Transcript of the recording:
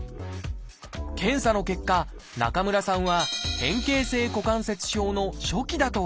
検査の結果中村さんは変形性股関節症の初期だと分かりました。